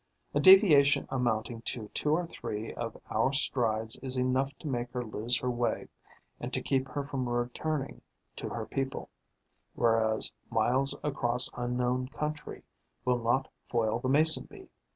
A deviation amounting to two or three of our strides is enough to make her lose her way and to keep her from returning to her people, whereas miles across unknown country will not foil the Mason bee.